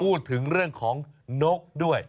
พูดถึงเรื่องของนกด้วย